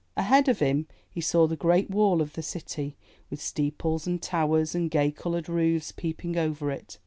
Ahead of him, he saw the great wall of the city, with steeples and towers and gay colored roofs peeping over it.